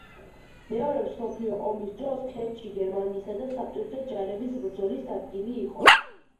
მეორე მსოფლიო ომის დროს ქერჩი გერმანიისა და საბჭოთა ჯარების ბრძოლის ადგილი იყო.